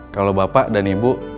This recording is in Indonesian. kalau bapak dan ibu